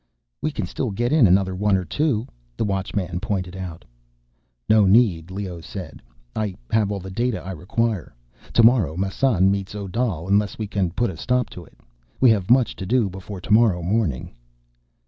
"We can still get in another one or two," the Watchman pointed out. "No need," Leoh said. "I have all the data I require. Tomorrow Massan meets Odal, unless we can put a stop to it. We have much to do before tomorrow morning."